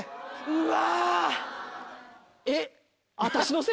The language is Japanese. うわ。えっ？